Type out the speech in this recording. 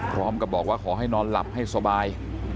พร้อมกับบอกว่าขอให้นอนหลับให้สบาย